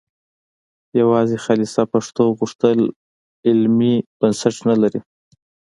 یوازې خالصه پښتو غوښتل علمي بنسټ نه لري